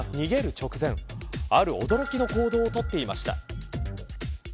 直前ある驚きの行動をとっていました。